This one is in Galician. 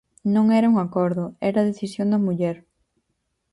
Non era un acordo, era decisión da muller.